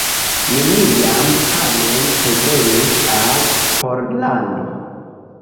Neniam tamen revenis al Pollando.